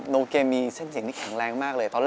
โรแกมีเส้นเสียงที่แข็งแรงมากเลย